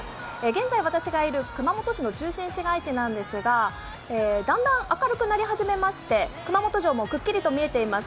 現在私がいる熊本市の中心市街地なんですがだんだん明るくなり始めまして熊本城もくっきり見えています。